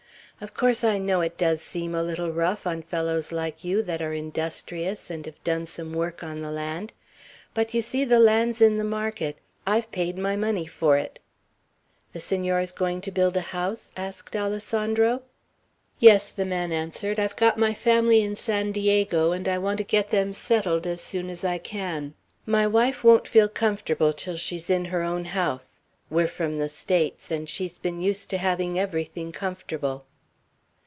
"Of course, I know it does seem a little rough on fellows like you, that are industrious, and have done some work on the land. But you see the land's in the market; I've paid my money for it." "The Senor is going to build a house?" asked Alessandro. "Yes," the man answered. "I've got my family in San Diego, and I want to get them settled as soon as I can. My wife won't feel comfortable till she's in her own house. We're from the States, and she's been used to having everything comfortable."